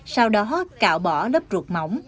sau đó cạo bỏ lớp ruột mỏng